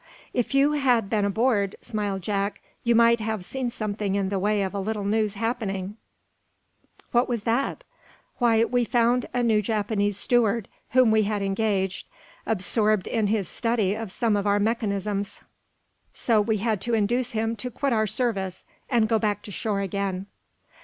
"If you had been aboard," smiled Jack, "you might have seen something in the way of a little news happening." "What was that?" "Why, we found a new Japanese steward, whom we had engaged, absorbed in his study of some of our mechanisms. So we had to induce him to quit our service and go back to shore again."